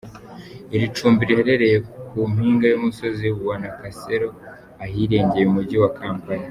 Iri cumbi riherereye ku mpinga y’ umusozi wa Nakasero ahirengeye umujyi wa Kampala.